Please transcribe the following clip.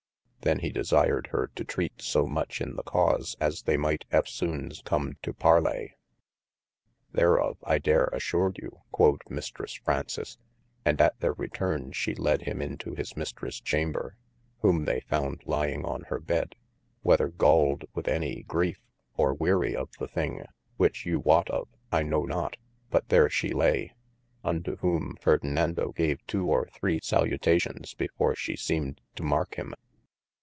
Then he desired hir to treate so much in the cause, as they might eftsons come to Parke : thereof I dare assure you (quod Mistresse Fraunces,) and at their returne she led him into his Mistresse Chamber, whome they founde lying on hir bed, whether gauled with any griefe, or weary of the thing (which you woote of) I know not, but there she lay : unto whome Ferdinando gave two or three salutations before she seemed to marke him.